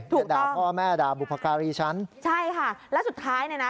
ด่าพ่อแม่ด่าบุพการีฉันใช่ค่ะแล้วสุดท้ายเนี่ยนะ